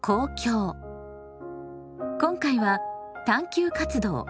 今回は探究活動